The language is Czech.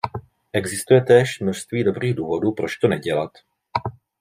Existuje též množství dobrých důvodů, proč to nedělat.